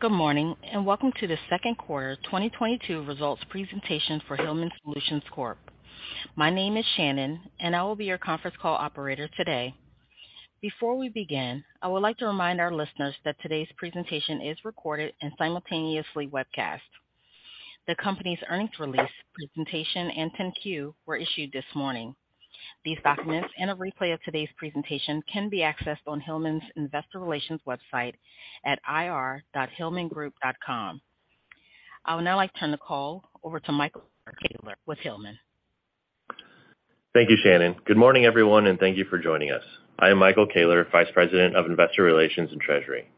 Good morning, and welcome to the second quarter 2022 results presentation for Hillman Solutions Corp. My name is Shannon, and I will be your conference call operator today. Before we begin, I would like to remind our listeners that today's presentation is recorded and simultaneously webcast. The company's earnings release, presentation and 10-Q were issued this morning. These documents and a replay of today's presentation can be accessed on Hillman's Investor Relations website at ir.hillmangroup.com. I would now like to turn the call over to Michael Koehler with Hillman. Thank you, Shannon. Good morning, everyone, and thank you for joining us. I am Michael Koehler, Vice President of Investor Relations and Treasury.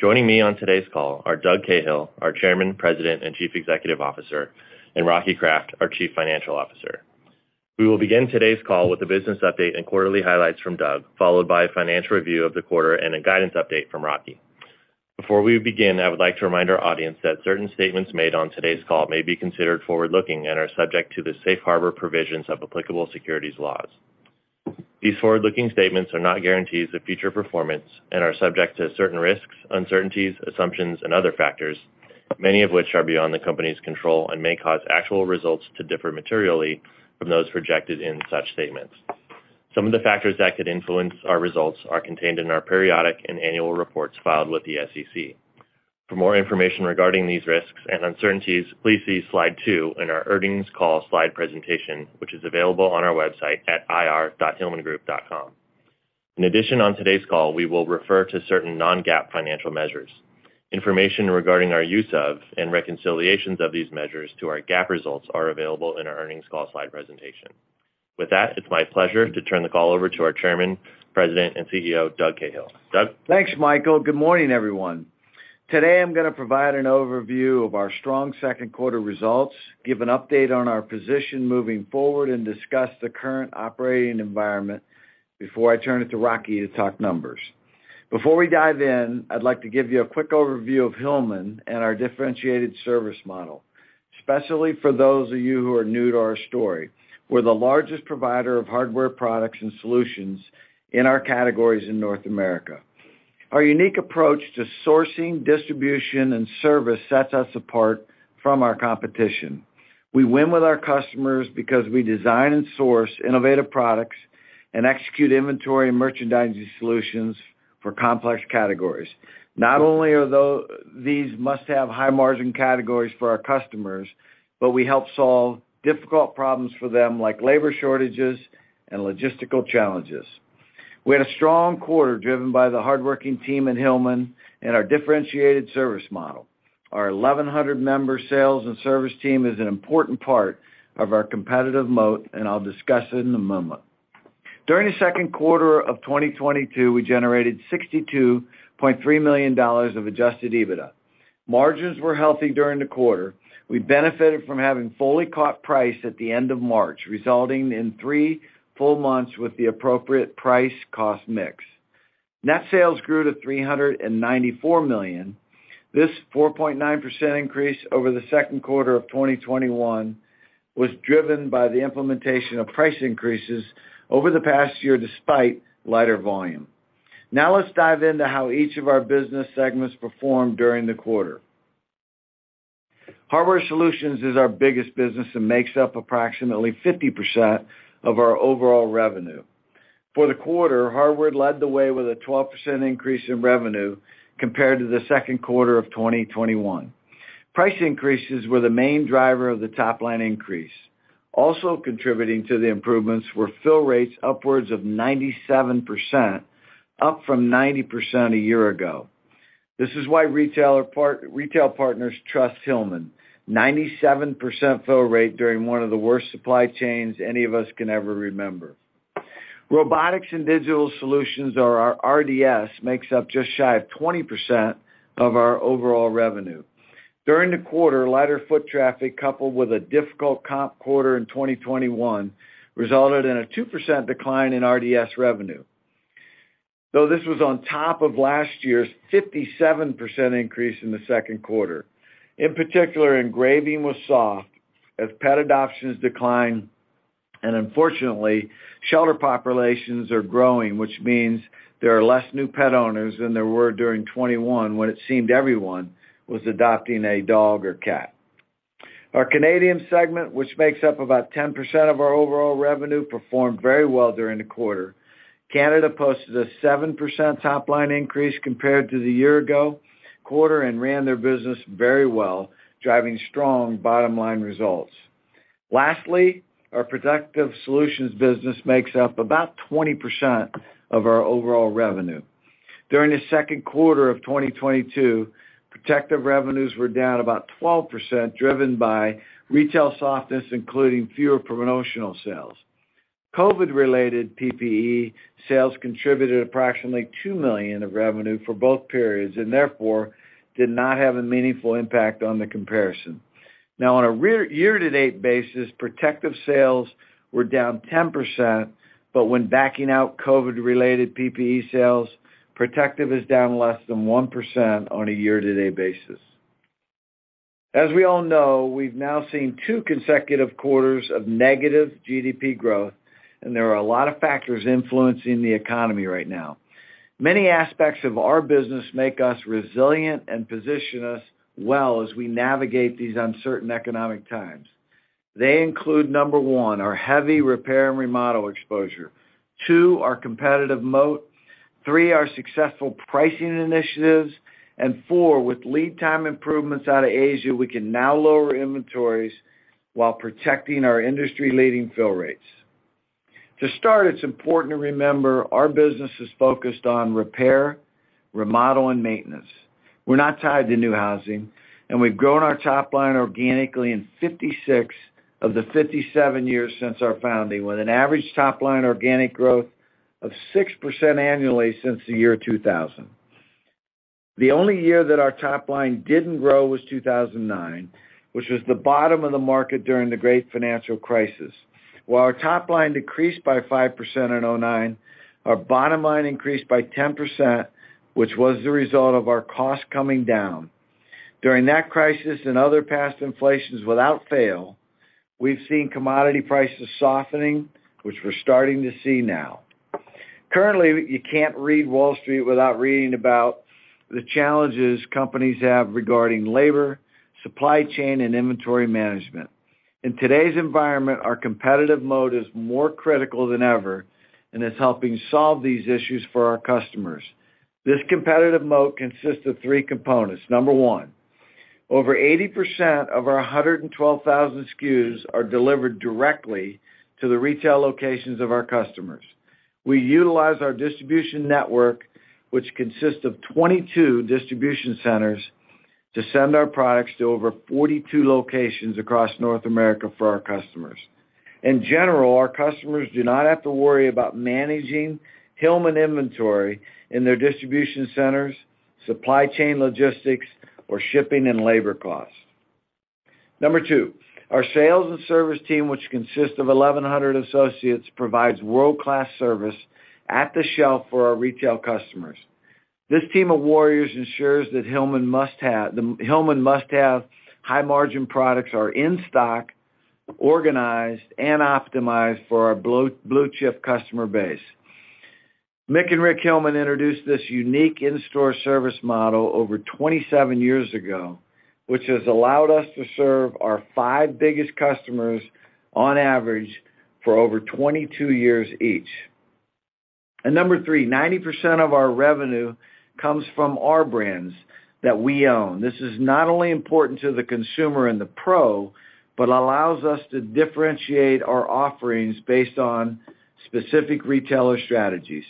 Joining me on today's call are Doug Cahill, our Chairman, President and Chief Executive Officer, and Rocky Kraft, our Chief Financial Officer. We will begin today's call with a business update and quarterly highlights from Doug, followed by a financial review of the quarter and a guidance update from Rocky. Before we begin, I would like to remind our audience that certain statements made on today's call may be considered forward-looking and are subject to the safe harbor provisions of applicable securities laws. These forward-looking statements are not guarantees of future performance and are subject to certain risks, uncertainties, assumptions and other factors, many of which are beyond the company's control and may cause actual results to differ materially from those projected in such statements. Some of the factors that could influence our results are contained in our periodic and annual reports filed with the SEC. For more information regarding these risks and uncertainties, please see slide two in our earnings call slide presentation, which is available on our website at ir.hillmangroup.com. In addition, on today's call, we will refer to certain non-GAAP financial measures. Information regarding our use of and reconciliations of these measures to our GAAP results are available in our earnings call slide presentation. With that, it's my pleasure to turn the call over to our Chairman, President and CEO, Doug Cahill. Doug? Thanks, Michael. Good morning, everyone. Today, I'm gonna provide an overview of our strong second quarter results, give an update on our position moving forward, and discuss the current operating environment before I turn it to Rocky to talk numbers. Before we dive in, I'd like to give you a quick overview of Hillman and our differentiated service model, especially for those of you who are new to our story. We're the largest provider of hardware products and solutions in our categories in North America. Our unique approach to sourcing, distribution and service sets us apart from our competition. We win with our customers because we design and source innovative products and execute inventory and merchandising solutions for complex categories. Not only are these must-have high margin categories for our customers, but we help solve difficult problems for them, like labor shortages and logistical challenges. We had a strong quarter driven by the hardworking team in Hillman and our differentiated service model. Our 1,100-member sales and service team is an important part of our competitive moat, and I'll discuss it in a moment. During the second quarter of 2022, we generated $62.3 million of adjusted EBITDA. Margins were healthy during the quarter. We benefited from having fully caught price at the end of March, resulting in three full months with the appropriate price cost mix. Net sales grew to $394 million. This 4.9% increase over the second quarter of 2021 was driven by the implementation of price increases over the past year, despite lighter volume. Now let's dive into how each of our business segments performed during the quarter. Hardware Solutions is our biggest business and makes up approximately 50% of our overall revenue. For the quarter, Hardware Solutions led the way with a 12% increase in revenue compared to the second quarter of 2021. Price increases were the main driver of the top line increase. Contributing to the improvements were fill rates upwards of 97%, up from 90% a year ago. This is why retail partners trust Hillman. 97% fill rate during one of the worst supply chains any of us can ever remember. Robotics and Digital Solutions, or our RDS, makes up just shy of 20% of our overall revenue. During the quarter, lighter foot traffic, coupled with a difficult comp quarter in 2021, resulted in a 2% decline in RDS revenue. Though this was on top of last year's 57% increase in the second quarter. In particular, engraving was soft as pet adoptions declined, and unfortunately, shelter populations are growing, which means there are less new pet owners than there were during 2021 when it seemed everyone was adopting a dog or cat. Our Canadian segment, which makes up about 10% of our overall revenue, performed very well during the quarter. Canada posted a 7% top line increase compared to the year ago quarter and ran their business very well, driving strong bottom line results. Lastly, our Protective Solutions business makes up about 20% of our overall revenue. During the second quarter of 2022, Protective revenues were down about 12%, driven by retail softness, including fewer promotional sales. COVID-related PPE sales contributed approximately $2 million of revenue for both periods and therefore did not have a meaningful impact on the comparison. Now, on a year to date basis, Protective sales were down 10%, but when backing out COVID-related PPE sales, Protective is down less than 1% on a year to date basis. As we all know, we've now seen two consecutive quarters of negative GDP growth, and there are a lot of factors influencing the economy right now. Many aspects of our business make us resilient and position us well as we navigate these uncertain economic times. They include, number one, our heavy repair and remodel exposure. Two, our competitive moat. Three, our successful pricing initiatives. And four, with lead time improvements out of Asia, we can now lower inventories while protecting our industry-leading fill rates. To start, it's important to remember our business is focused on repair, remodel, and maintenance. We're not tied to new housing, and we've grown our top line organically in 56 of the 57 years since our founding, with an average top-line organic growth of 6% annually since the year 2000. The only year that our top line didn't grow was 2009, which was the bottom of the market during the great financial crisis. While our top line decreased by 5% in 2009, our bottom line increased by 10%, which was the result of our costs coming down. During that crisis and other past inflations without fail, we've seen commodity prices softening, which we're starting to see now. Currently, you can't read Wall Street without reading about the challenges companies have regarding labor, supply chain, and inventory management. In today's environment, our competitive moat is more critical than ever and is helping solve these issues for our customers. This competitive moat consists of three components. Number one, over 80% of our 112,000 SKUs are delivered directly to the retail locations of our customers. We utilize our distribution network, which consists of 22 distribution centers, to send our products to over 42 locations across North America for our customers. In general, our customers do not have to worry about managing Hillman inventory in their distribution centers, supply chain logistics, or shipping and labor costs. Number two, our sales and service team, which consists of 1,100 associates, provides world-class service at the shelf for our retail customers. This team of warriors ensures that the Hillman must-have high margin products are in stock, organized, and optimized for our blue-chip customer base. Mick Hillman and Rick Hillman introduced this unique in-store service model over 27 years ago, which has allowed us to serve our five biggest customers on average for over 22 years each. Number three, 90% of our revenue comes from our brands that we own. This is not only important to the consumer and the pro, but allows us to differentiate our offerings based on specific retailer strategies.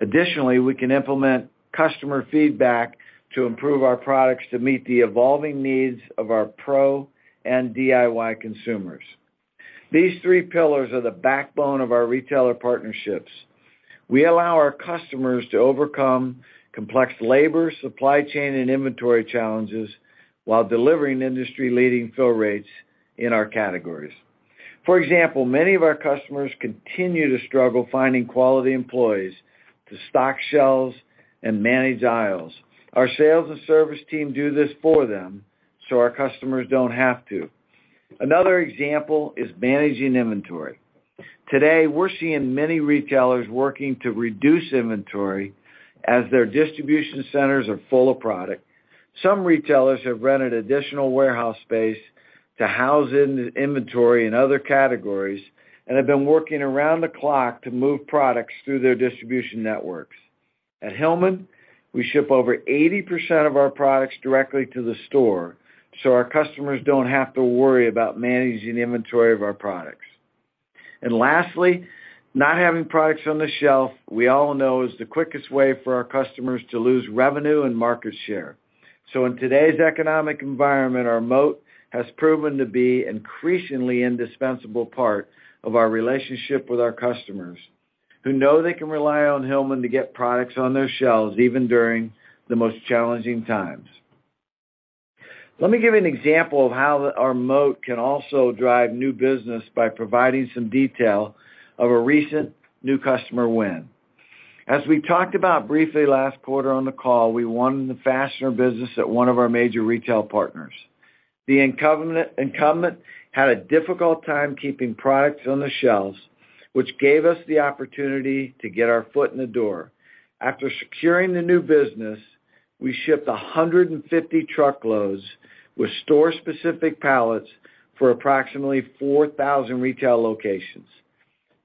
Additionally, we can implement customer feedback to improve our products to meet the evolving needs of our pro and DIY consumers. These three pillars are the backbone of our retailer partnerships. We allow our customers to overcome complex labor, supply chain, and inventory challenges while delivering industry-leading fill rates in our categories. For example, many of our customers continue to struggle finding quality employees to stock shelves and manage aisles. Our sales and service team do this for them, so our customers don't have to. Another example is managing inventory. Today, we're seeing many retailers working to reduce inventory as their distribution centers are full of product. Some retailers have rented additional warehouse space to house in inventory in other categories and have been working around the clock to move products through their distribution networks. At Hillman, we ship over 80% of our products directly to the store, so our customers don't have to worry about managing inventory of our products. Lastly, not having products on the shelf, we all know, is the quickest way for our customers to lose revenue and market share. In today's economic environment, our moat has proven to be increasingly indispensable part of our relationship with our customers, who know they can rely on Hillman to get products on their shelves, even during the most challenging times. Let me give you an example of how our moat can also drive new business by providing some detail of a recent new customer win. As we talked about briefly last quarter on the call, we won the fastener business at one of our major retail partners. The incumbent had a difficult time keeping products on the shelves, which gave us the opportunity to get our foot in the door. After securing the new business, we shipped 150 truckloads with store-specific pallets for approximately 4,000 retail locations.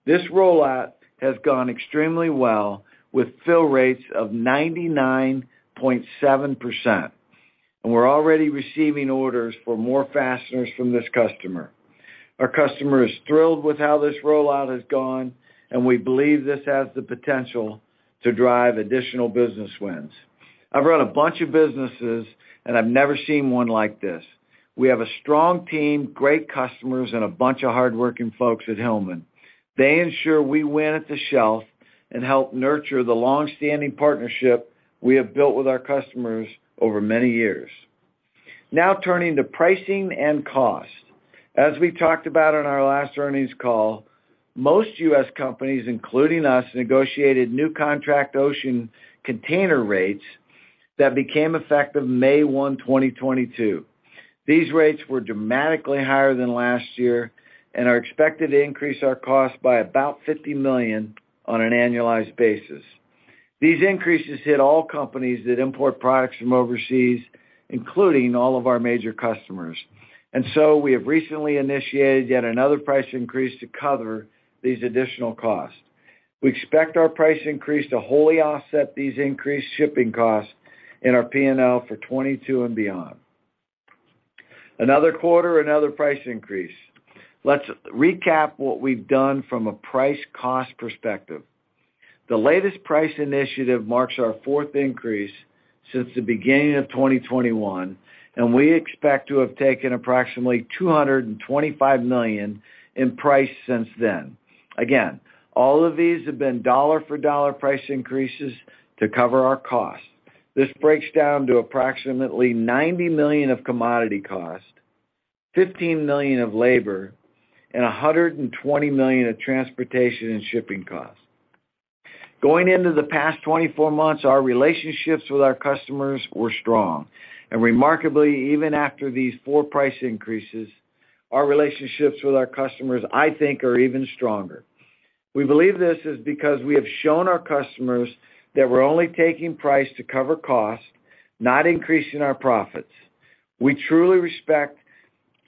This rollout has gone extremely well with fill rates of 99.7%, and we're already receiving orders for more fasteners from this customer. Our customer is thrilled with how this rollout has gone, and we believe this has the potential to drive additional business wins. I've run a bunch of businesses, and I've never seen one like this. We have a strong team, great customers, and a bunch of hardworking folks at Hillman. They ensure we win at the shelf and help nurture the longstanding partnership we have built with our customers over many years. Now turning to pricing and cost. As we talked about on our last earnings call, most U.S. companies, including us, negotiated new contract ocean container rates that became effective May 1, 2022. These rates were dramatically higher than last year and are expected to increase our cost by about $50 million on an annualized basis. These increases hit all companies that import products from overseas, including all of our major customers. We have recently initiated yet another price increase to cover these additional costs. We expect our price increase to wholly offset these increased shipping costs in our P&L for 2022 and beyond. Another quarter, another price increase. Let's recap what we've done from a price cost perspective. The latest price initiative marks our fourth increase since the beginning of 2021, and we expect to have taken approximately $225 million in price since then. Again, all of these have been dollar-for-dollar price increases to cover our costs. This breaks down to approximately $90 million of commodity cost, $15 million of labor, and $120 million of transportation and shipping costs. Going into the past 24 months, our relationships with our customers were strong. Remarkably, even after these four price increases, our relationships with our customers, I think, are even stronger. We believe this is because we have shown our customers that we're only taking price to cover costs, not increasing our profits. We truly respect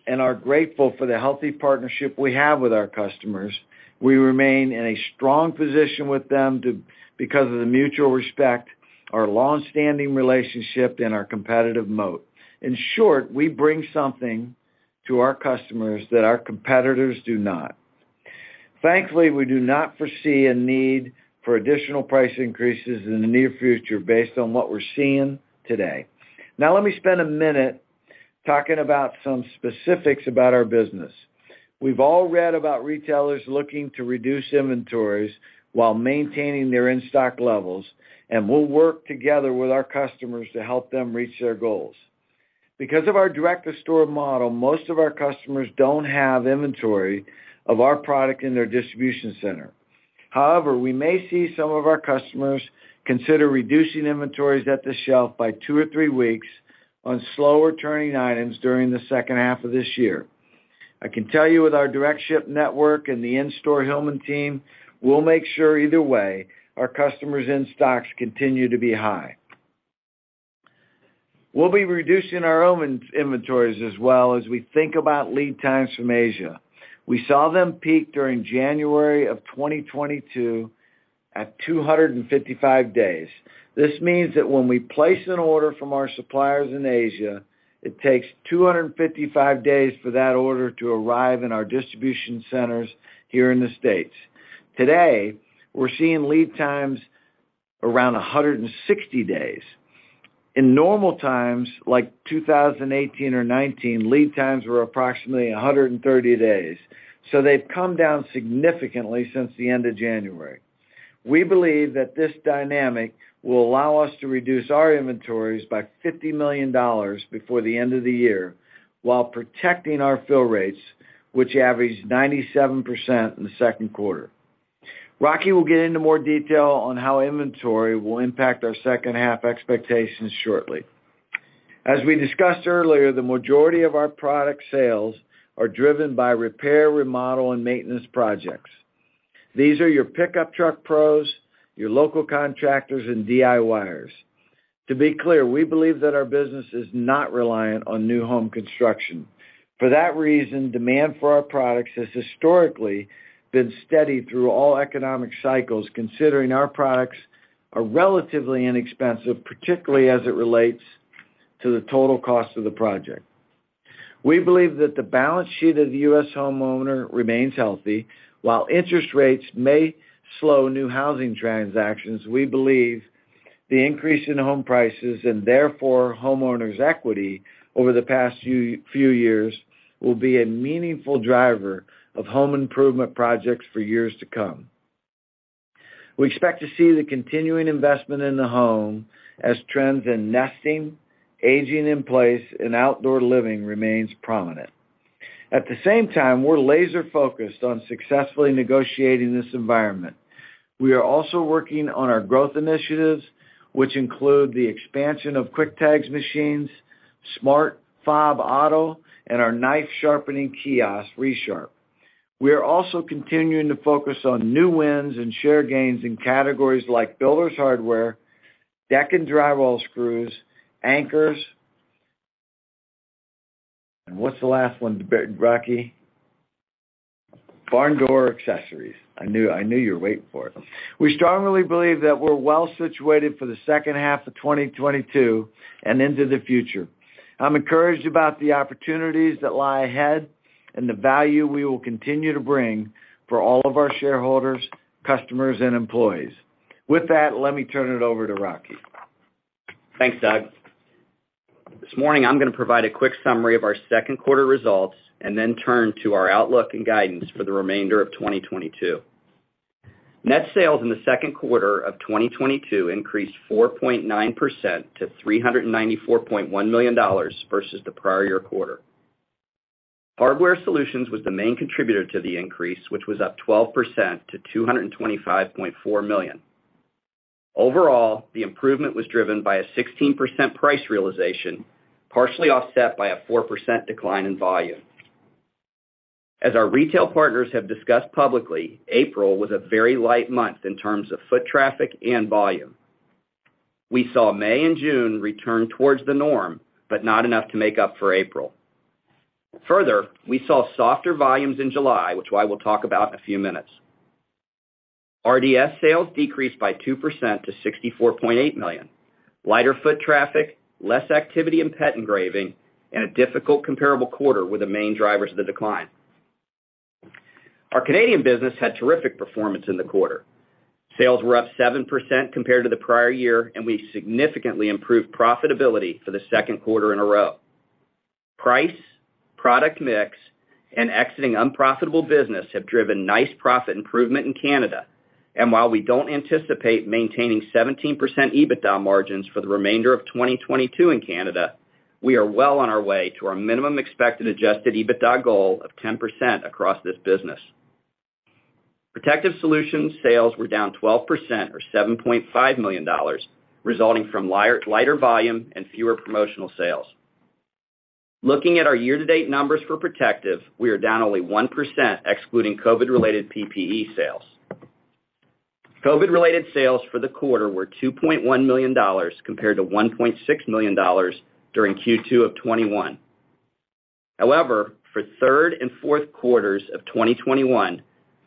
and are grateful for the healthy partnership we have with our customers. We remain in a strong position with them because of the mutual respect, our long-standing relationship, and our competitive moat. In short, we bring something to our customers that our competitors do not. Thankfully, we do not foresee a need for additional price increases in the near future based on what we're seeing today. Now, let me spend a minute talking about some specifics about our business. We've all read about retailers looking to reduce inventories while maintaining their in-stock levels, and we'll work together with our customers to help them reach their goals. Because of our direct-to-store model, most of our customers don't have inventory of our product in their distribution center. However, we may see some of our customers consider reducing inventories at the shelf by two or three weeks on slower turning items during the second half of this year. I can tell you with our direct ship network and the in-store Hillman team, we'll make sure either way our customers' in-stocks continue to be high. We'll be reducing our own inventories as well as we think about lead times from Asia. We saw them peak during January of 2022 at 255 days. This means that when we place an order from our suppliers in Asia, it takes 255 days for that order to arrive in our distribution centers here in the States. Today, we're seeing lead times around 160 days. In normal times, like 2018 or 2019, lead times were approximately 130 days, so they've come down significantly since the end of January. We believe that this dynamic will allow us to reduce our inventories by $50 million before the end of the year while protecting our fill rates, which averaged 97% in the second quarter. Rocky will get into more detail on how inventory will impact our second half expectations shortly. As we discussed earlier, the majority of our product sales are driven by repair, remodel, and maintenance projects. These are your pickup truck pros, your local contractors, and DIYers. To be clear, we believe that our business is not reliant on new home construction. For that reason, demand for our products has historically been steady through all economic cycles, considering our products are relatively inexpensive, particularly as it relates to the total cost of the project. We believe that the balance sheet of the U.S. homeowner remains healthy. While interest rates may slow new housing transactions, we believe the increase in home prices, and therefore homeowners' equity over the past few years, will be a meaningful driver of home improvement projects for years to come. We expect to see the continuing investment in the home as trends in nesting, aging in place, and outdoor living remains prominent. At the same time, we're laser-focused on successfully negotiating this environment. We are also working on our growth initiatives, which include the expansion of Quick-Tag machines, SmartFob Auto, and our knife sharpening kiosk, Resharp. We are also continuing to focus on new wins and share gains in categories like builders' hardware, deck and drywall screws, anchors. What's the last one, Rocky? Barn door accessories. I knew you were waiting for it. We strongly believe that we're well situated for the second half of 2022 and into the future. I'm encouraged about the opportunities that lie ahead and the value we will continue to bring for all of our shareholders, customers, and employees. With that, let me turn it over to Rocky. Thanks, Doug. This morning, I'm gonna provide a quick summary of our second quarter results and then turn to our outlook and guidance for the remainder of 2022. Net sales in the second quarter of 2022 increased 4.9% to $394.1 million versus the prior year quarter. Hardware Solutions was the main contributor to the increase, which was up 12% to $225.4 million. Overall, the improvement was driven by a 16% price realization, partially offset by a 4% decline in volume. As our retail partners have discussed publicly, April was a very light month in terms of foot traffic and volume. We saw May and June return towards the norm, but not enough to make up for April. Further, we saw softer volumes in July, which I will talk about in a few minutes. RDS sales decreased by 2% to $64.8 million. Lighter foot traffic, less activity in pet engraving, and a difficult comparable quarter were the main drivers of the decline. Our Canadian business had terrific performance in the quarter. Sales were up 7% compared to the prior year, and we significantly improved profitability for the second quarter in a row. Price, product mix, and exiting unprofitable business have driven nice profit improvement in Canada. While we don't anticipate maintaining 17% EBITDA margins for the remainder of 2022 in Canada, we are well on our way to our minimum expected adjusted EBITDA goal of 10% across this business. Protective Solutions sales were down 12% or $7.5 million, resulting from lighter volume and fewer promotional sales. Looking at our year-to-date numbers for Protective, we are down only 1% excluding COVID-related PPE sales. COVID-related sales for the quarter were $2.1 million compared to $1.6 million during Q2 of 2021. However, for third and fourth quarters of 2021,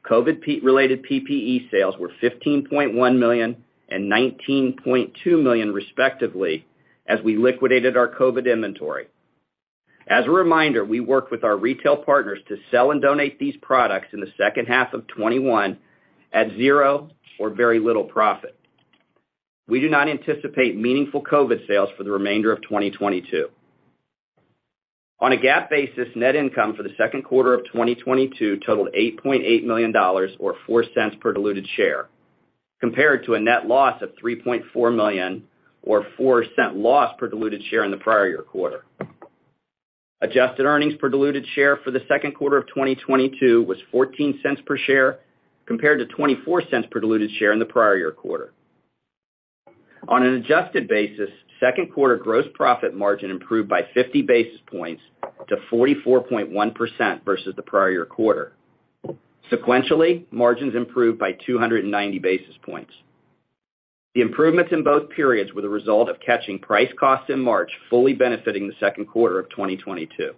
COVID-related PPE sales were $15.1 million and $19.2 million respectively as we liquidated our COVID inventory. As a reminder, we worked with our retail partners to sell and donate these products in the second half of 2021 at zero or very little profit. We do not anticipate meaningful COVID sales for the remainder of 2022. On a GAAP basis, net income for the second quarter of 2022 totaled $8.8 million or $0.04 per diluted share, compared to a net loss of $3.4 million or $0.04 loss per diluted share in the prior year quarter. Adjusted earnings per diluted share for the second quarter of 2022 was $0.14 per share, compared to $0.24 per diluted share in the prior year quarter. On an adjusted basis, second quarter gross profit margin improved by 50 basis points to 44.1% versus the prior year quarter. Sequentially, margins improved by 290 basis points. The improvements in both periods were the result of catching price costs in March, fully benefiting the second quarter of 2022.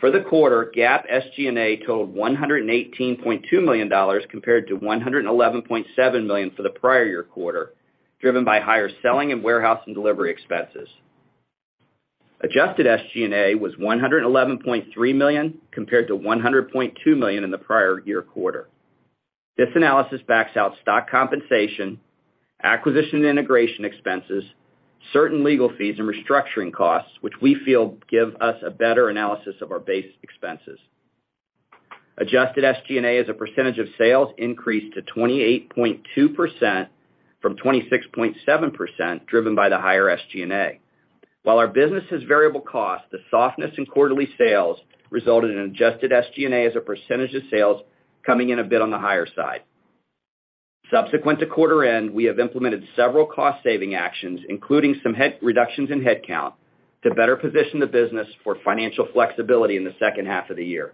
For the quarter, GAAP SG&A totaled $118.2 million compared to $111.7 million for the prior year quarter, driven by higher selling and warehouse and delivery expenses. Adjusted SG&A was $111.3 million compared to $100.2 million in the prior year quarter. This analysis backs out stock compensation, acquisition and integration expenses, certain legal fees, and restructuring costs, which we feel give us a better analysis of our base expenses. Adjusted SG&A as a percentage of sales increased to 28.2% from 26.7%, driven by the higher SG&A. While our business is variable cost, the softness in quarterly sales resulted in adjusted SG&A as a percentage of sales coming in a bit on the higher side. Subsequent to quarter end, we have implemented several cost-saving actions, including some reductions in headcount, to better position the business for financial flexibility in the second half of the year.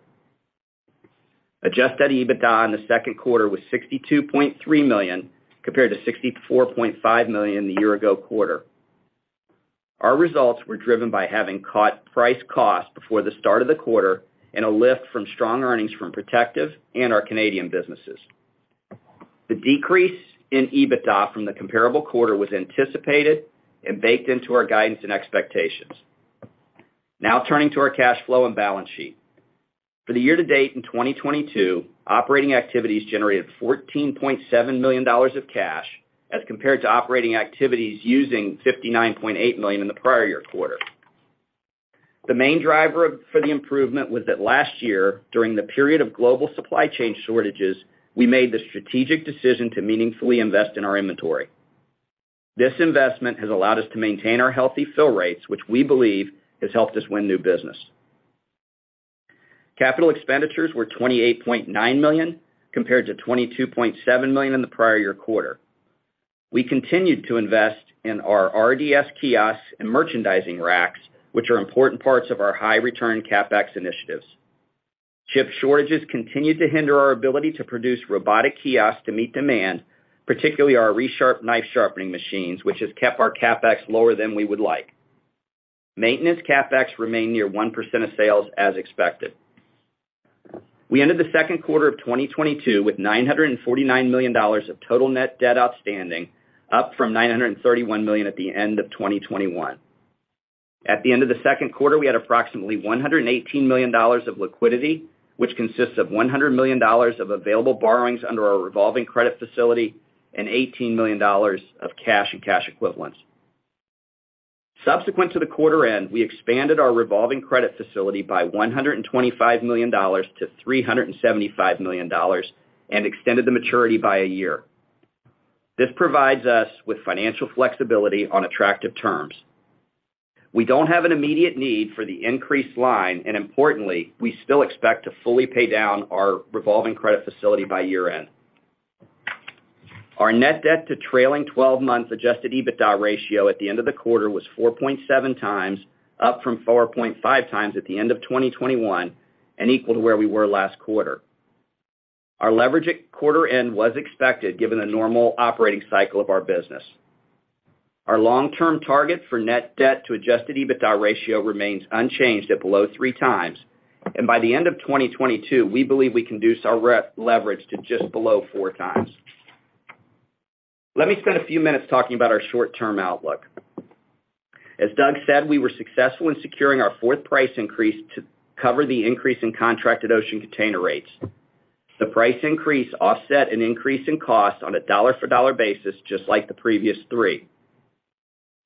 Adjusted EBITDA in the second quarter was $62.3 million compared to $64.5 million the year-ago quarter. Our results were driven by having caught price/cost before the start of the quarter and a lift from strong earnings from Protective and our Canadian businesses. The decrease in EBITDA from the comparable quarter was anticipated and baked into our guidance and expectations. Now turning to our cash flow and balance sheet. For the year to date in 2022, operating activities generated $14.7 million of cash as compared to operating activities using $59.8 million in the prior-year quarter. The main driver for the improvement was that last year, during the period of global supply chain shortages, we made the strategic decision to meaningfully invest in our inventory. This investment has allowed us to maintain our healthy fill rates, which we believe has helped us win new business. Capital expenditures were $28.9 million compared to $22.7 million in the prior year quarter. We continued to invest in our RDS kiosks and merchandising racks, which are important parts of our high return CapEx initiatives. Chip shortages continued to hinder our ability to produce robotic kiosks to meet demand, particularly our Resharp knife sharpening machines, which has kept our CapEx lower than we would like. Maintenance CapEx remained near 1% of sales as expected. We ended the second quarter of 2022 with $949 million of total net debt outstanding, up from $931 million at the end of 2021. At the end of the second quarter, we had approximately $118 million of liquidity, which consists of $100 million of available borrowings under our revolving credit facility and $18 million of cash and cash equivalents. Subsequent to the quarter end, we expanded our revolving credit facility by $125 million to $375 million and extended the maturity by a year. This provides us with financial flexibility on attractive terms. We don't have an immediate need for the increased line, and importantly, we still expect to fully pay down our revolving credit facility by year-end. Our net debt to trailing 12-month adjusted EBITDA ratio at the end of the quarter was 4.7x, up from 4.5x at the end of 2021, and equal to where we were last quarter. Our leverage at quarter end was expected given the normal operating cycle of our business. Our long-term target for net debt to adjusted EBITDA ratio remains unchanged at below 3x, and by the end of 2022, we believe we can reduce leverage to just below 4x. Let me spend a few minutes talking about our short-term outlook. As Doug said, we were successful in securing our fourth price increase to cover the increase in contracted ocean container rates. The price increase offset an increase in cost on a dollar-for-dollar basis, just like the previous three.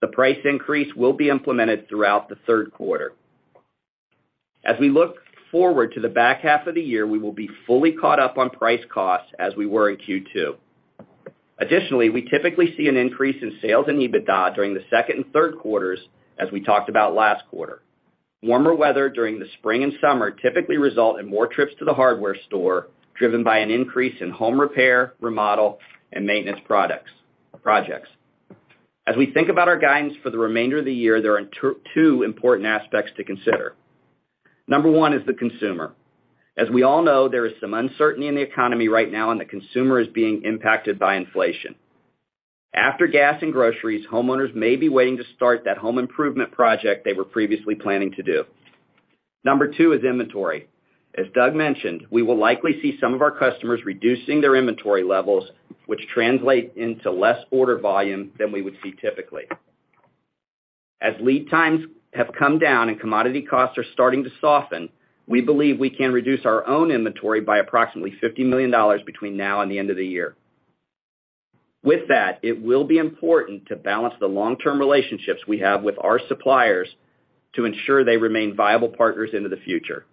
The price increase will be implemented throughout the third quarter. As we look forward to the back half of the year, we will be fully caught up on price costs as we were in Q2. Additionally, we typically see an increase in sales and EBITDA during the second and third quarters, as we talked about last quarter. Warmer weather during the spring and summer typically result in more trips to the hardware store, driven by an increase in home repair, remodel, and maintenance projects. As we think about our guidance for the remainder of the year, there are two important aspects to consider. Number one is the consumer. As we all know, there is some uncertainty in the economy right now, and the consumer is being impacted by inflation. After gas and groceries, homeowners may be waiting to start that home improvement project they were previously planning to do. Number two is inventory. As Doug mentioned, we will likely see some of our customers reducing their inventory levels, which translate into less order volume than we would see typically. As lead times have come down and commodity costs are starting to soften, we believe we can reduce our own inventory by approximately $50 million between now and the end of the year. With that, it will be important to balance the long-term relationships we have with our suppliers to ensure they remain viable partners into the future.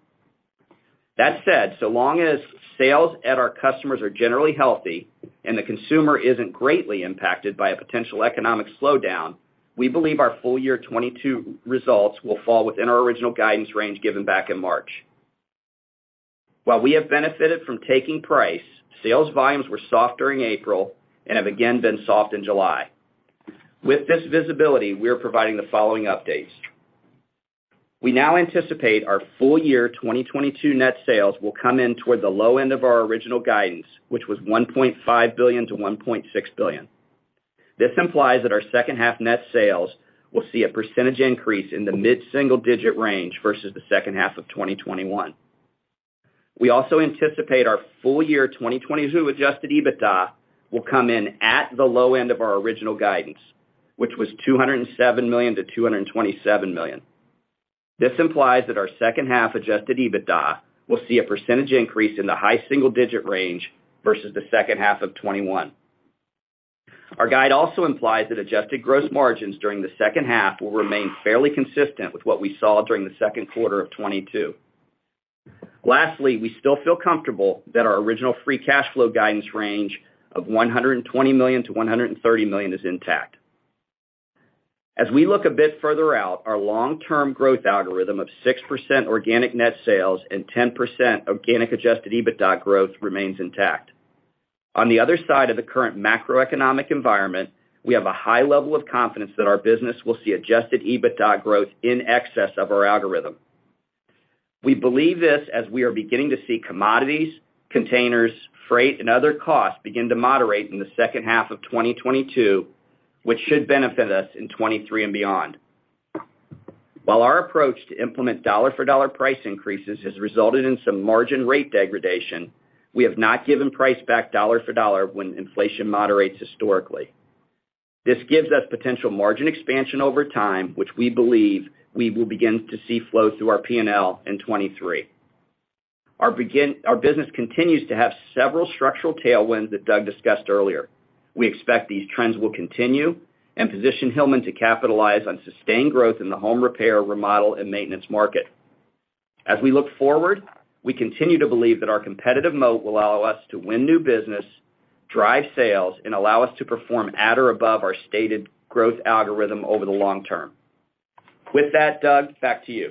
That said, so long as sales at our customers are generally healthy and the consumer isn't greatly impacted by a potential economic slowdown, we believe our full year 2022 results will fall within our original guidance range given back in March. While we have benefited from taking price, sales volumes were soft during April and have again been soft in July. With this visibility, we are providing the following updates. We now anticipate our full year 2022 net sales will come in toward the low end of our original guidance, which was $1.5 billion-$1.6 billion. This implies that our second half net sales will see a percentage increase in the mid-single digit range versus the second half of 2021. We also anticipate our full year 2022 adjusted EBITDA will come in at the low end of our original guidance, which was $207 million-$227 million. This implies that our second half adjusted EBITDA will see a percentage increase in the high single digit range versus the second half of 2021. Our guide also implies that adjusted gross margins during the second half will remain fairly consistent with what we saw during the second quarter of 2022. Lastly, we still feel comfortable that our original free cash flow guidance range of $120 million-$130 million is intact. As we look a bit further out, our long-term growth algorithm of 6% organic net sales and 10% organic adjusted EBITDA growth remains intact. On the other side of the current macroeconomic environment, we have a high level of confidence that our business will see adjusted EBITDA growth in excess of our algorithm. We believe this as we are beginning to see commodities, containers, freight, and other costs begin to moderate in the second half of 2022, which should benefit us in 2023 and beyond. While our approach to implement dollar-for-dollar price increases has resulted in some margin rate degradation, we have not given price back dollar for dollar when inflation moderates historically. This gives us potential margin expansion over time, which we believe we will begin to see flow through our P&L in 2023. Our business continues to have several structural tailwinds that Doug discussed earlier. We expect these trends will continue and position Hillman to capitalize on sustained growth in the home repair, remodel, and maintenance market. As we look forward, we continue to believe that our competitive moat will allow us to win new business, drive sales, and allow us to perform at or above our stated growth algorithm over the long term. With that, Doug, back to you.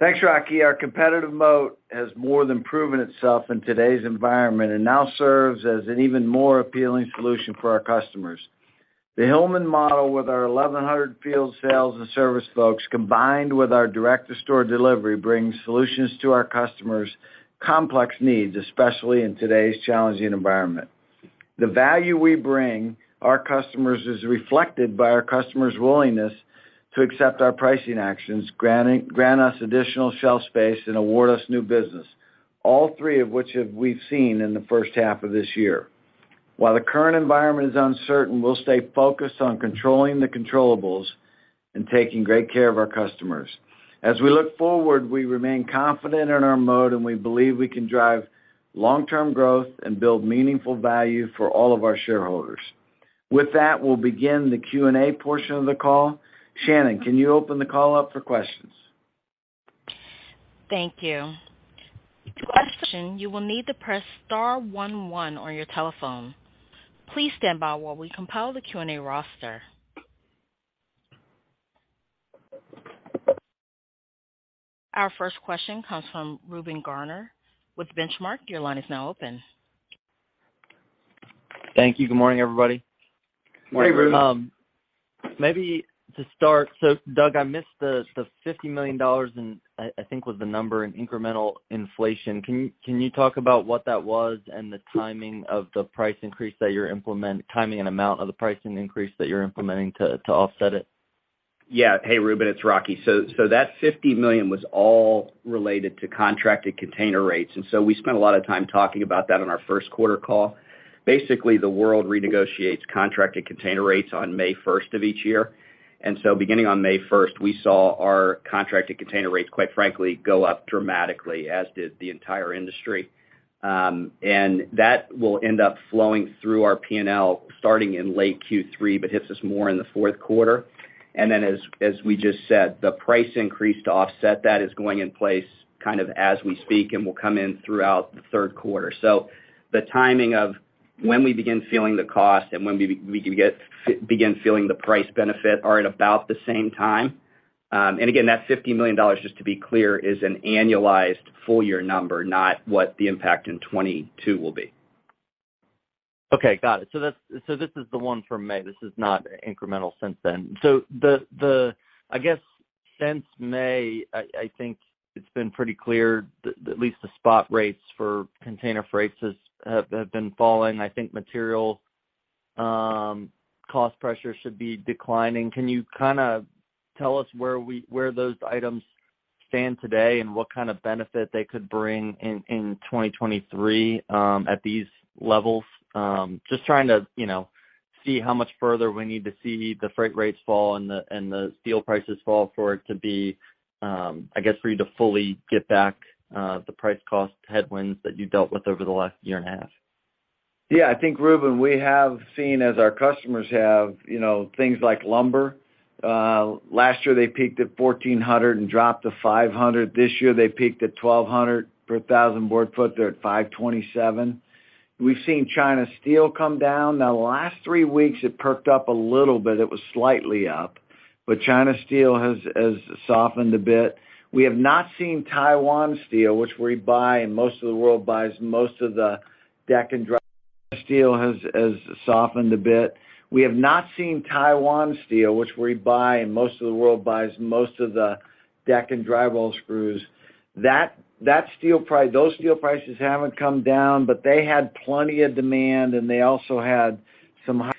Thanks, Rocky. Our competitive moat has more than proven itself in today's environment and now serves as an even more appealing solution for our customers. The Hillman model with our 1,100 field sales and service folks, combined with our direct-to-store delivery, brings solutions to our customers' complex needs, especially in today's challenging environment. The value we bring our customers is reflected by our customers' willingness to accept our pricing actions, grant us additional shelf space and award us new business, all three of which we've seen in the first half of this year. While the current environment is uncertain, we'll stay focused on controlling the controllables and taking great care of our customers. As we look forward, we remain confident in our model, and we believe we can drive long-term growth and build meaningful value for all of our shareholders. With that, we'll begin the Q&A portion of the call. Shannon, can you open the call up for questions? Thank you. To ask a question, you will need to press star one one on your telephone. Please stand by while we compile the Q&A roster. Our first question comes from Reuben Garner with Benchmark. Your line is now open. Thank you. Good morning, everybody. Morning, Reuben. Maybe to start, Doug, I missed the $50 million, I think that was the number in incremental inflation. Can you talk about what that was and the timing and amount of the pricing increase that you're implementing to offset it? Yeah. Hey, Reuben, it's Rocky. That $50 million was all related to contracted container rates, and we spent a lot of time talking about that on our first quarter call. Basically, the world renegotiates contracted container rates on May first of each year. Beginning on May first, we saw our contracted container rates, quite frankly, go up dramatically, as did the entire industry. That will end up flowing through our P&L starting in late Q3 but hits us more in the fourth quarter. As we just said, the price increase to offset that is going in place kind of as we speak and will come in throughout the third quarter. The timing of when we begin feeling the cost and when we begin feeling the price benefit are at about the same time. That $50 million, just to be clear, is an annualized full year number, not what the impact in 2022 will be. Okay, got it. That's the one from May. This is not incremental since then. I guess since May, I think it's been pretty clear, at least the spot rates for container freight have been falling. I think material cost pressure should be declining. Can you kinda tell us where those items stand today and what kind of benefit they could bring in 2023 at these levels? Just trying to, you know, see how much further we need to see the freight rates fall and the steel prices fall for it to be, I guess for you to fully get back the price cost headwinds that you dealt with over the last year and a half. Yeah, I think, Reuben, we have seen as our customers have, you know, things like lumber. Last year they peaked at $1,400 and dropped to $500. This year they peaked at $1,200 per thousand board foot. They're at $527. We've seen China steel come down. Now, the last three weeks it perked up a little bit. It was slightly up, but China steel has softened a bit. We have not seen Taiwan steel, which we buy and most of the world buys most of the deck and drywall screws. Those steel prices haven't come down, but they had plenty of demand, and they also had some high.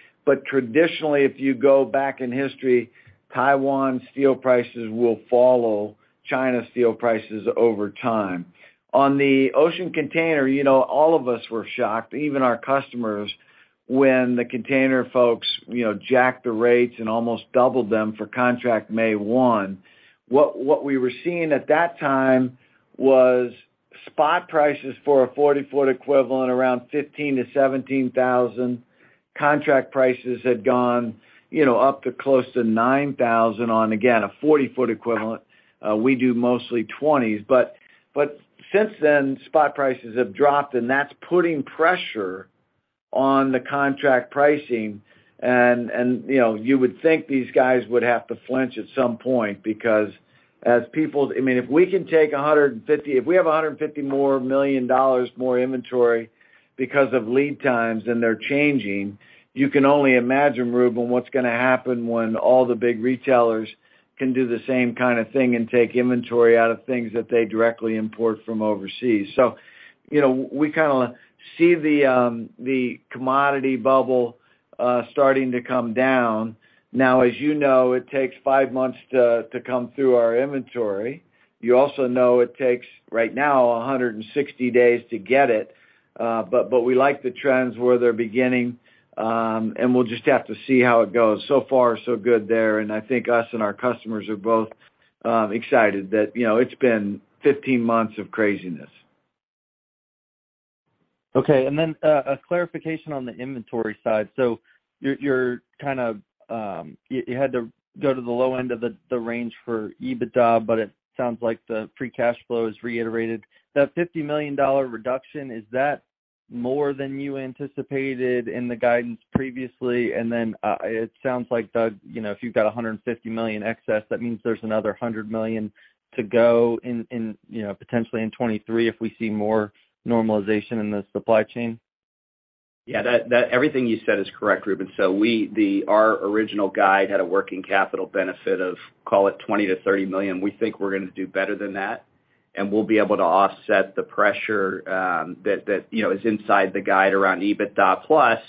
Traditionally, if you go back in history, Taiwan steel prices will follow China steel prices over time. On the ocean container, you know, all of us were shocked, even our customers, when the container folks, you know, jacked the rates and almost doubled them for contract May one. What we were seeing at that time was spot prices for a 40-foot equivalent around $15,000-$17,000. Contract prices had gone, you know, up to close to $9,000 on, again, a 40-foot equivalent. We do mostly 20s. Since then, spot prices have dropped, and that's putting pressure on the contract pricing. You know, you would think these guys would have to flinch at some point because as people I mean, if we can take 150. If we have $150 million more inventory because of lead times and they're changing, you can only imagine, Reuben, what's gonna happen when all the big retailers can do the same kind of thing and take inventory out of things that they directly import from overseas. You know, we kinda see the commodity bubble starting to come down. Now, as you know, it takes five months to come through our inventory. You also know it takes, right now, 160 days to get it, but we like the trends where they're beginning, and we'll just have to see how it goes. So far, so good there, and I think us and our customers are both excited that, you know, it's been 15 months of craziness. Okay, a clarification on the inventory side. You're kind of you had to go to the low end of the range for EBITDA, but it sounds like the free cash flow is reiterated. That $50 million reduction, is that more than you anticipated in the guidance previously? It sounds like, Doug, you know, if you've got $150 million excess, that means there's another $100 million to go in, you know, potentially in 2023 if we see more normalization in the supply chain. Yeah, that everything you said is correct, Reuben. Our original guide had a working capital benefit of, call it, $20 million-$30 million. We think we're gonna do better than that, and we'll be able to offset the pressure, you know, that is inside the guide around EBITDA plus.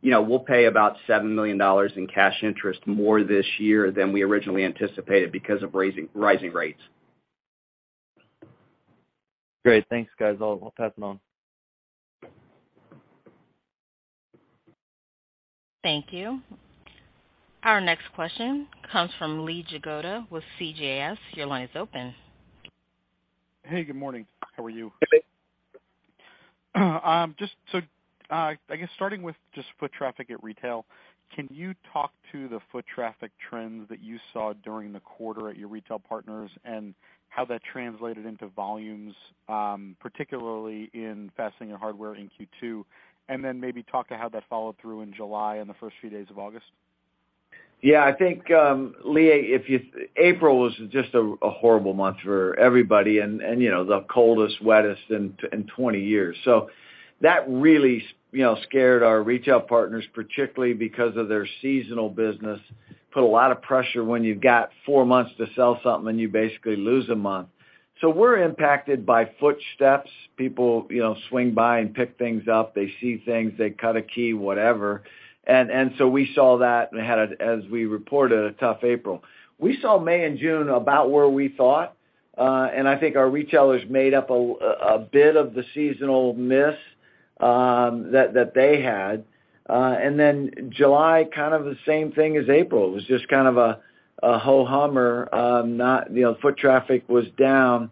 You know, we'll pay about $7 million in cash interest more this year than we originally anticipated because of rising rates. Great. Thanks, guys. I'll pass it on. Thank you. Our next question comes from Lee Jagoda with CJS. Your line is open. Hey, good morning. How are you? Hey, Lee. Just so, I guess starting with just foot traffic at retail, can you talk to the foot traffic trends that you saw during the quarter at your retail partners and how that translated into volumes, particularly in fastening and hardware in Q2, and then maybe talk to how that followed through in July and the first few days of August? Yeah, I think, Lee, April was just a horrible month for everybody and, you know, the coldest, wettest in 20 years. So that really scared our retail partners, particularly because of their seasonal business. It put a lot of pressure when you've got four months to sell something and you basically lose a month. We're impacted by footsteps. People, you know, swing by and pick things up. They see things, they cut a key, whatever. We saw that and had, as we reported, a tough April. We saw May and June about where we thought, and I think our retailers made up a bit of the seasonal miss that they had. Then July, kind of the same thing as April. It was just kind of a ho-hum. Not you know foot traffic was down.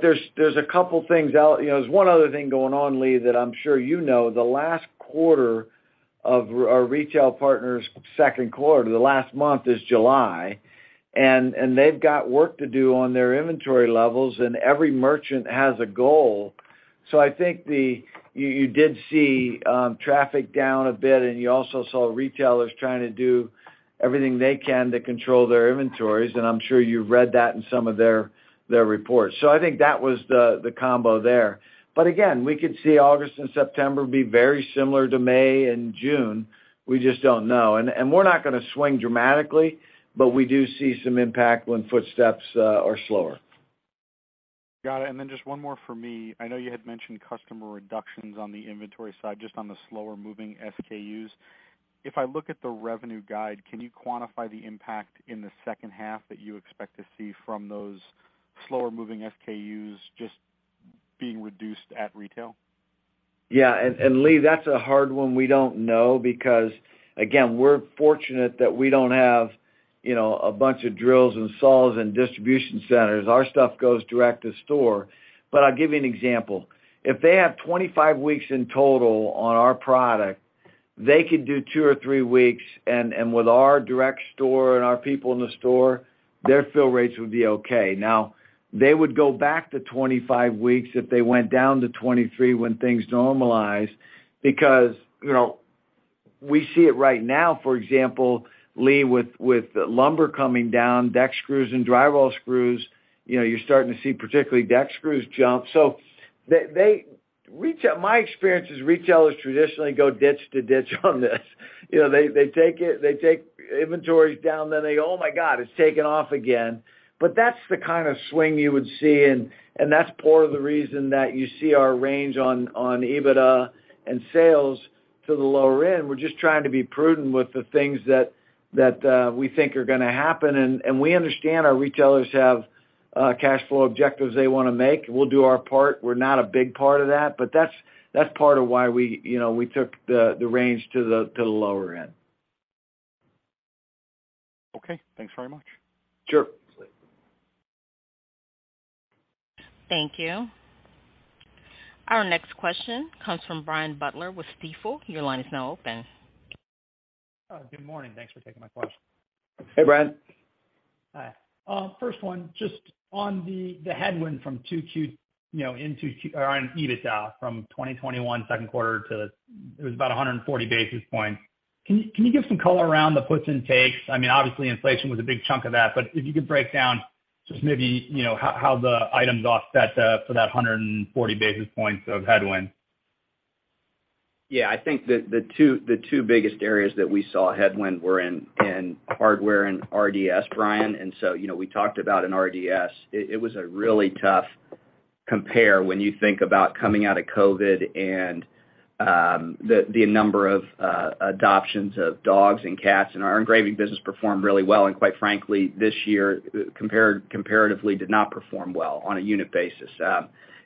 There's a couple things out. You know, there's one other thing going on, Lee, that I'm sure you know, the last quarter of our retail partners' second quarter, the last month is July, and they've got work to do on their inventory levels, and every merchant has a goal. I think you did see traffic down a bit, and you also saw retailers trying to do everything they can to control their inventories, and I'm sure you've read that in some of their reports. I think that was the combo there. Again, we could see August and September be very similar to May and June. We just don't know. And we're not gonna swing dramatically, but we do see some impact when footsteps are slower. Got it. Just one more for me. I know you had mentioned customer reductions on the inventory side, just on the slower moving SKUs. If I look at the revenue guide, can you quantify the impact in the second half that you expect to see from those slower moving SKUs just being reduced at retail? Lee, that's a hard one. We don't know because, again, we're fortunate that we don't have, you know, a bunch of drills and saws and distribution centers. Our stuff goes direct to store. I'll give you an example. If they have 25 weeks in total on our product, they could do two or three weeks, and with our direct store and our people in the store, their fill rates would be okay. Now, they would go back to 25 weeks if they went down to 23 when things normalize, because, you know, we see it right now, for example, Lee, with lumber coming down, deck screws and drywall screws, you know, you're starting to see particularly deck screws jump. So retailers-- My experience is retailers traditionally go ditch to ditch on this. You know, they take inventories down, then they, "Oh, my God, it's taken off again." But that's the kind of swing you would see, and that's part of the reason that you see our range on EBITDA and sales to the lower end. We're just trying to be prudent with the things that we think are gonna happen. We understand our retailers have cash flow objectives they wanna make. We'll do our part. We're not a big part of that, but that's part of why we, you know, we took the range to the lower end. Okay. Thanks very much. Sure. Thank you. Our next question comes from Brian Butler with Stifel. Your line is now open. Good morning. Thanks for taking my question. Hey, Brian. Hi. First one, just on the headwind from 2Q, you know, or on EBITDA from 2021 second quarter to, it was about 140 basis points. Can you give some color around the puts and takes? I mean, obviously, inflation was a big chunk of that, but if you could break down just maybe, you know, how the items offset the, for that 140 basis points of headwind. Yeah. I think the two biggest areas that we saw headwind were in hardware and RDS, Brian. You know, we talked about in RDS, it was a really tough compare when you think about coming out of COVID and the number of adoptions of dogs and cats, and our engraving business performed really well. Quite frankly, this year, comparatively did not perform well on a unit basis.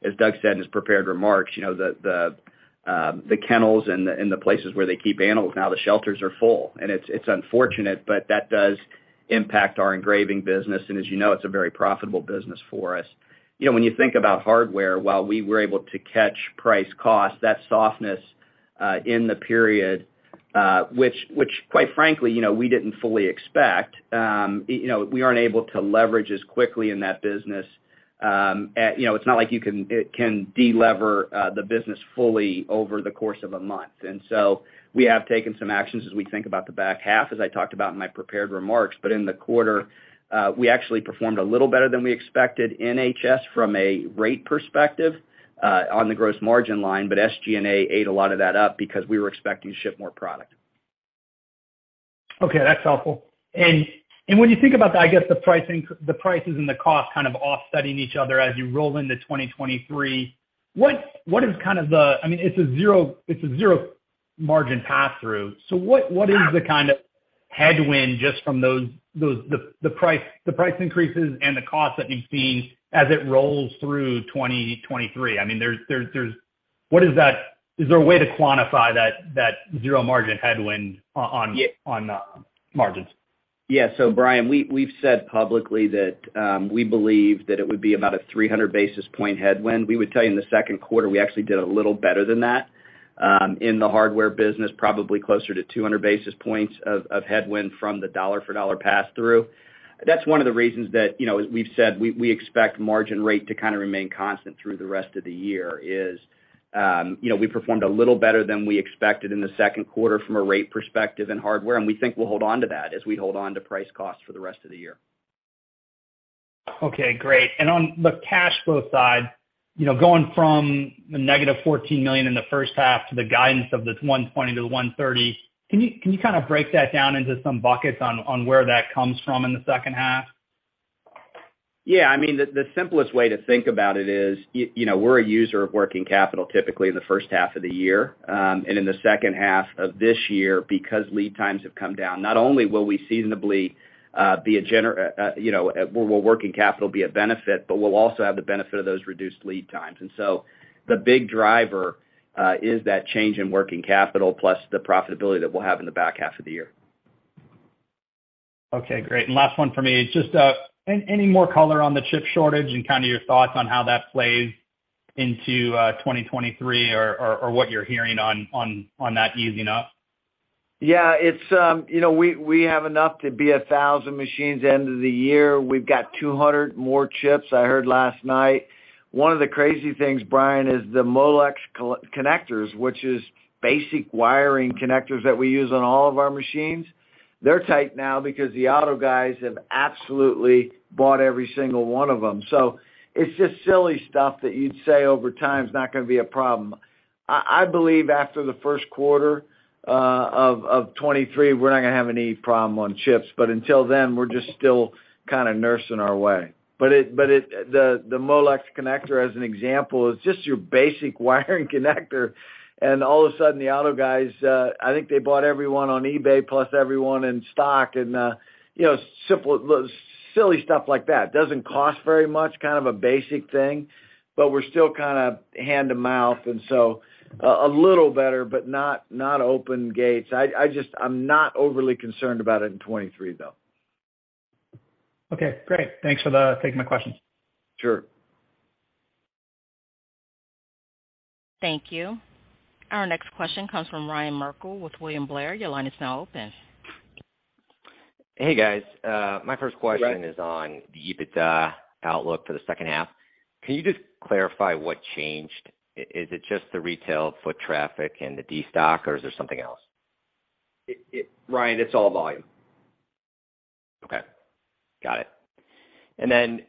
As Doug said in his prepared remarks, you know, the kennels and the places where they keep animals now, the shelters are full. It's unfortunate, but that does impact our engraving business, and as you know, it's a very profitable business for us. You know, when you think about hardware, while we were able to catch price cost, that softness, in the period, which quite frankly, you know, we didn't fully expect, you know, we aren't able to leverage as quickly in that business. You know, it's not like it can de-lever the business fully over the course of a month. We have taken some actions as we think about the back half, as I talked about in my prepared remarks. In the quarter, we actually performed a little better than we expected in HS from a rate perspective, on the gross margin line, but SG&A ate a lot of that up because we were expecting to ship more product. Okay, that's helpful. When you think about that, I guess the pricing, the prices and the cost kind of offsetting each other as you roll into 2023, what is kind of the. I mean, it's a zero margin passthrough. What is the kind of headwind just from those, the price increases and the cost that you've seen as it rolls through 2023. I mean, there's. What is that? Is there a way to quantify that zero margin headwind on margins? Yeah. Brian, we've said publicly that we believe that it would be about a 300 basis point headwind. We would tell you in the second quarter, we actually did a little better than that, in the hardware business, probably closer to 200 basis points of headwind from the dollar for dollar pass through. That's one of the reasons that, you know, as we've said, we expect margin rate to kind of remain constant through the rest of the year is, you know, we performed a little better than we expected in the second quarter from a rate perspective in hardware, and we think we'll hold on to that as we hold on to price cost for the rest of the year. Okay, great. On the cash flow side, you know, going from -$14 million in the first half to the guidance of $120 million-$130 million, can you kind of break that down into some buckets on where that comes from in the second half? Yeah. I mean, the simplest way to think about it is, you know, we're a user of working capital typically in the first half of the year. In the second half of this year, because lead times have come down, not only will working capital be a benefit, but we'll also have the benefit of those reduced lead times. The big driver is that change in working capital, plus the profitability that we'll have in the back half of the year. Okay, great. Last one for me. Just any more color on the chip shortage and kind of your thoughts on how that plays into 2023 or what you're hearing on that easing up? Yeah. It's, you know, we have enough to be 1,000 machines end of the year. We've got 200 more chips, I heard last night. One of the crazy things, Brian, is the Molex KK connectors, which is basic wiring connectors that we use on all of our machines. They're tight now because the auto guys have absolutely bought every single one of them. It's just silly stuff that you'd say over time is not gonna be a problem. I believe after the first quarter of 2023, we're not gonna have any problem on chips, but until then, we're just still kind of nursing our way. The Molex connector, as an example, is just your basic wiring connector, and all of a sudden, the auto guys, I think they bought every one on eBay plus every one in stock and, you know, simple, silly stuff like that. Doesn't cost very much, kind of a basic thing, but we're still kind of hand to mouth. A little better, but not open gates. I'm not overly concerned about it in 2023, though. Okay, great. Thanks for taking my questions. Sure. Thank you. Our next question comes from Ryan Merkel with William Blair. Your line is now open. Hey, guys. My first question- Right Is on the EBITDA outlook for the second half. Can you just clarify what changed? Is it just the retail foot traffic and the destock, or is there something else? Ryan, it's all volume. Okay. Got it.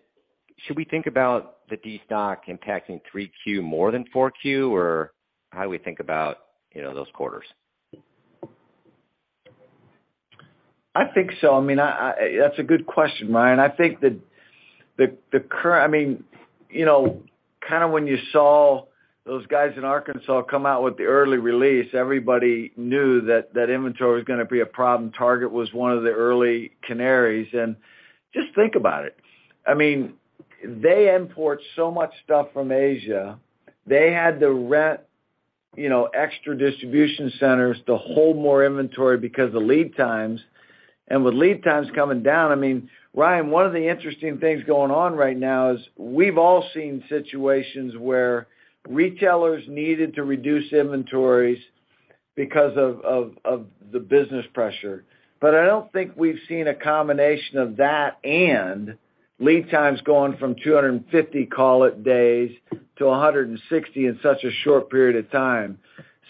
Should we think about the destock impacting 3Q more than 4Q, or how do we think about, you know, those quarters? I think so. I mean, that's a good question, Ryan. I think that I mean, you know, kind of when you saw those guys in Arkansas come out with the early release, everybody knew that inventory was gonna be a problem. Target was one of the early canaries. Just think about it. I mean, they import so much stuff from Asia. They had to rent, you know, extra distribution centers to hold more inventory because of lead times. With lead times coming down, I mean, Ryan, one of the interesting things going on right now is we've all seen situations where retailers needed to reduce inventories because of the business pressure. I don't think we've seen a combination of that and lead times going from 250, call it, days to 160 in such a short period of time.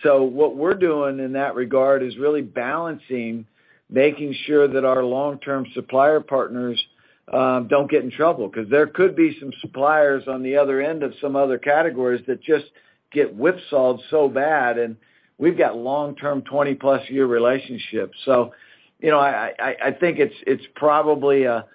What we're doing in that regard is really balancing, making sure that our long-term supplier partners don't get in trouble because there could be some suppliers on the other end of some other categories that just get whipsawed so bad, and we've got long-term, 20-plus year relationships. You know, I think it's probably a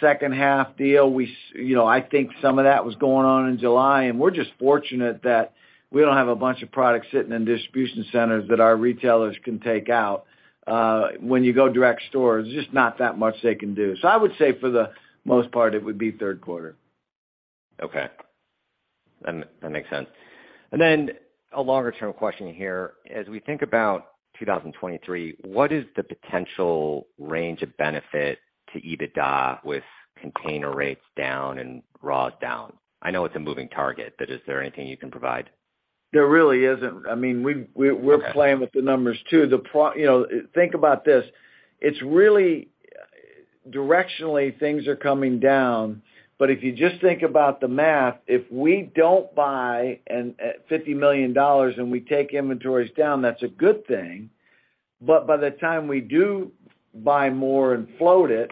second half deal. You know, I think some of that was going on in July, and we're just fortunate that we don't have a bunch of products sitting in distribution centers that our retailers can take out. When you go direct to stores, there's just not that much they can do. I would say for the most part, it would be third quarter. Okay. That makes sense. A longer term question here. As we think about 2023, what is the potential range of benefit to EBITDA with container rates down and raws down? I know it's a moving target, but is there anything you can provide? There really isn't. I mean, Okay We're playing with the numbers too. You know, think about this. It's really directionally, things are coming down. If you just think about the math, if we don't buy a $50 million and we take inventories down, that's a good thing. By the time we do buy more and float it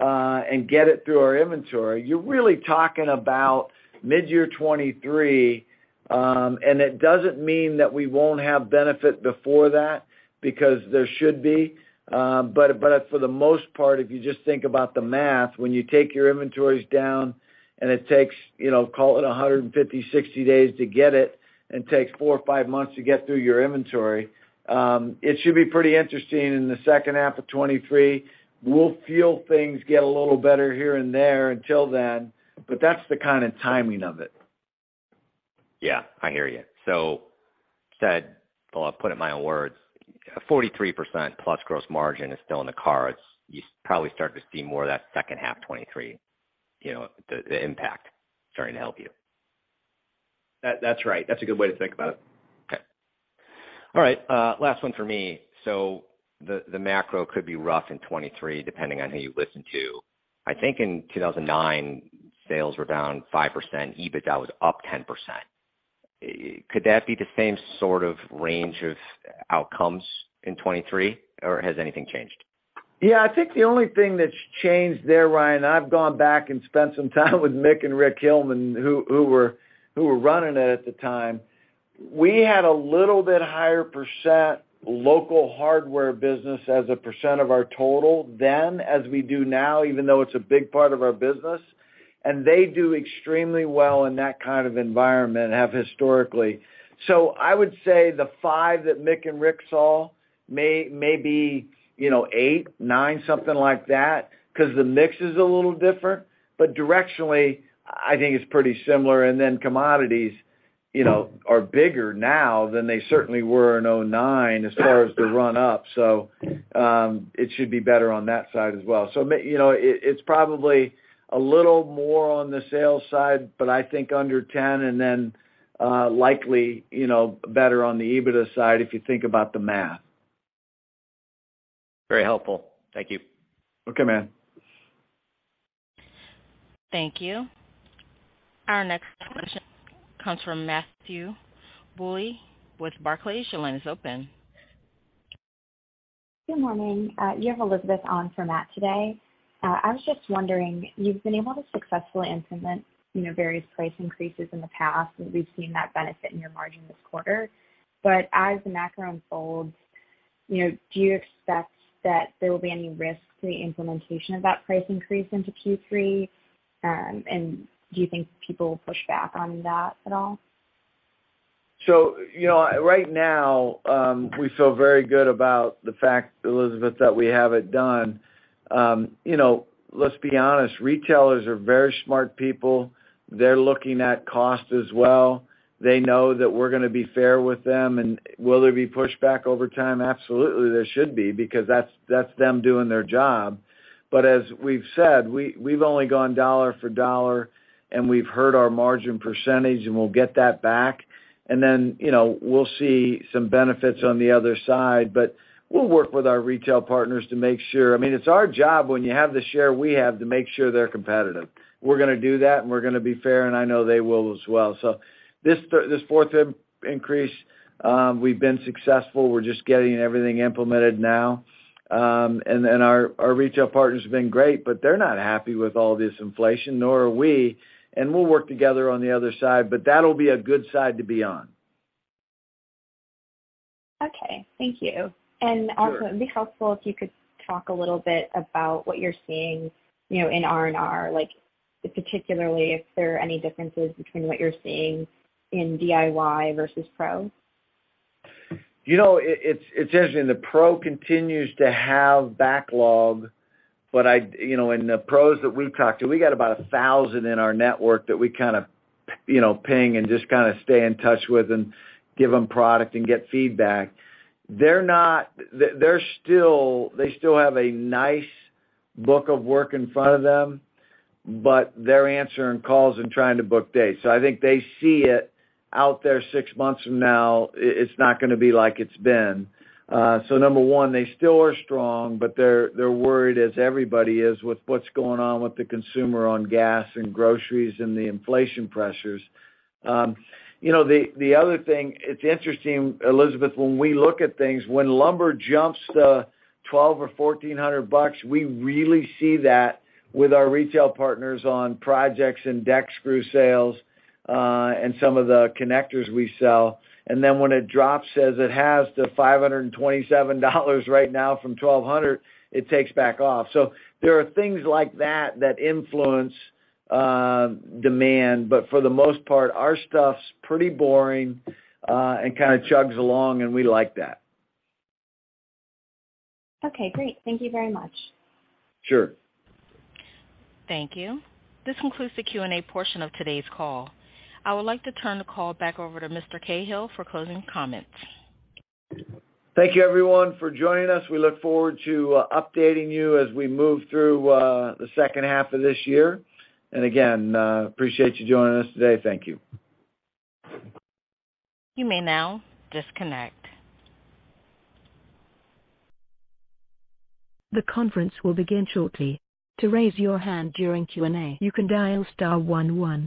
and get it through our inventory, you're really talking about midyear 2023, and it doesn't mean that we won't have benefit before that because there should be. For the most part, if you just think about the math, when you take your inventories down and it takes, you know, call it 150-160 days to get it and takes four or five months to get through your inventory, it should be pretty interesting in the second half of 2023. We'll feel things get a little better here and there until then, but that's the kind of timing of it. Yeah, I hear you. He said, well, I'll put it in my own words, 43%+ gross margin is still in the cards. You probably start to see more of that second half 2023, you know, the impact starting to help you. That's right. That's a good way to think about it. Okay. All right, last one for me. The macro could be rough in 2023, depending on who you listen to. I think in 2009, sales were down 5%, EBITDA was up 10%. Could that be the same sort of range of outcomes in 2023, or has anything changed? Yeah, I think the only thing that's changed there, Ryan, I've gone back and spent some time with Mick Hillman and Rick Hillman, who were running it at the time. We had a little bit higher percent local hardware business as a percent of our total then as we do now, even though it's a big part of our business. They do extremely well in that kind of environment and have historically. I would say the five that Mick Hillman and Rick Hillman saw may be, you know, eight, nine, something like that, 'cause the mix is a little different. Directionally, I think it's pretty similar. Then commodities, you know, are bigger now than they certainly were in 2009 as far as the run up. It should be better on that side as well. You know, it's probably a little more on the sales side, but I think under 10, and then likely, you know, better on the EBITDA side, if you think about the math. Very helpful. Thank you. Okay, man. Thank you. Our next question comes from Matthew Bouley with Barclays. Your line is open. Good morning. You have Elizabeth on for Matt today. I was just wondering, you've been able to successfully implement, you know, various price increases in the past. We've seen that benefit in your margin this quarter. As the macro unfolds, you know, do you expect that there will be any risk to the implementation of that price increase into Q3? And do you think people will push back on that at all? You know, right now, we feel very good about the fact, Elizabeth, that we have it done. You know, let's be honest, retailers are very smart people. They're looking at cost as well. They know that we're gonna be fair with them. Will there be pushback over time? Absolutely, there should be, because that's them doing their job. As we've said, we've only gone dollar for dollar, and we've hurt our margin percentage, and we'll get that back. Then, you know, we'll see some benefits on the other side. We'll work with our retail partners to make sure. I mean, it's our job when you have the share we have to make sure they're competitive. We're gonna do that, and we're gonna be fair, and I know they will as well. This fourth increase, we've been successful. We're just getting everything implemented now. Our retail partners have been great, but they're not happy with all this inflation, nor are we, and we'll work together on the other side, but that'll be a good side to be on. Okay. Thank you. Sure. Also, it'd be helpful if you could talk a little bit about what you're seeing, you know, in R&R, like particularly if there are any differences between what you're seeing in DIY versus pro. You know, it's interesting. The pros continue to have backlog, but you know, the pros that we've talked to, we got about 1,000 in our network that we kind of, you know, ping and just kind of stay in touch with and give them product and get feedback. They're still have a nice book of work in front of them, but they're answering calls and trying to book days. I think they see it out there six months from now, it's not gonna be like it's been. Number one, they still are strong, but they're worried, as everybody is, with what's going on with the consumer on gas and groceries and the inflation pressures. You know, the other thing, it's interesting, Elizabeth, when we look at things, when lumber jumps to $1,200 or $1,400, we really see that with our retail partners on projects and deck screw sales, and some of the connectors we sell. Then when it drops, as it has, to $527 right now from $1,200, it takes back off. There are things like that that influence demand, but for the most part, our stuff's pretty boring, and kind of chugs along, and we like that. Okay, great. Thank you very much. Sure. Thank you. This concludes the Q&A portion of today's call. I would like to turn the call back over to Mr. Cahill for closing comments. Thank you everyone for joining us. We look forward to updating you as we move through the second half of this year. Again, appreciate you joining us today. Thank you. You may now disconnect. The conference will begin shortly. To raise your hand during Q&A, you can dial star one one.